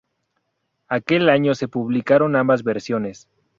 Aquel año se publicaron ambas versiones.